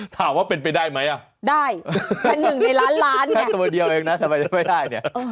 ถามว่าเป็นไปได้ไหมอะได้เป็น๑ในล้านล้านเนี่ยทำไมไม่ได้เนี่ย